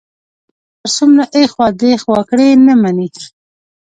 اوس که هر څومره ایخوا دیخوا کړي، نه مني.